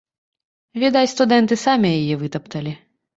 Відаць, студэнты самі яе вытапталі.